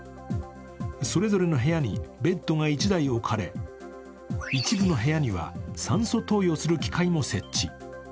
それぞれの部屋にベッドが１台置かれ、一部の部屋には酸素投与する機械も設置。